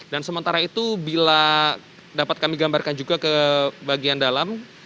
dan sementara itu bila dapat kami gambarkan juga ke bagian dalam